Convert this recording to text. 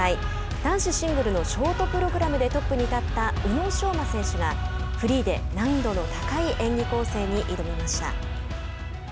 男子シングルのショートプログラムでトップに立った宇野昌磨選手がフリーで難易度の高い演技構成に挑みました。